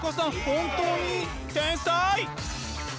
本当に天才！